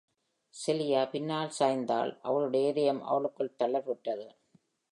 செலியா பின்னால் சாய்ந்தாள், அவளுடைய இதயம் அவளுக்குள் தளர்வுற்றது.